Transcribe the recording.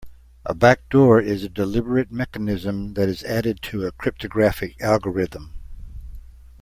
A backdoor is a deliberate mechanism that is added to a cryptographic algorithm.